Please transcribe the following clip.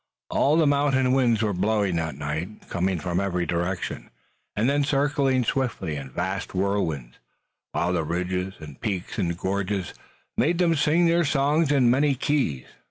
All the mountain winds were blowing that night, coming from every direction, and then circling swiftly in vast whirlwinds, while the ridges and peaks and gorges made them sing their songs in many keys.